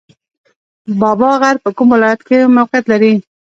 بابا غر په کوم ولایت کې موقعیت لري؟